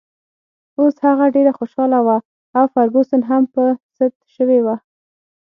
اوس هغه ډېره خوشحاله وه او فرګوسن هم په سد شوې وه.